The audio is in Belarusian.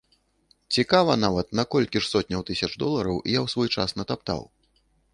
Цікава нават, на колькі ж сотняў тысяч долараў я ў свой час натаптаў?